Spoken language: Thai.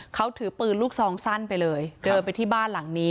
เขาถือปืนลูกซองสั้นไปเลยเดินไปที่บ้านหลังนี้